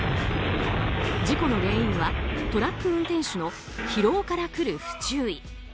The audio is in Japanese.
事故の原因はトラック運転手の疲労からくる不注意。